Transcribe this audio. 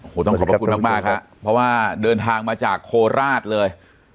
ขอต้องขอบคุณมากครับเพราะว่าเดินทางมาจากโคราชเลย